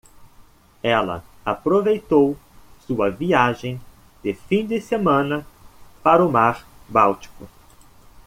Ela aproveitou sua viagem de fim de semana para o mar báltico.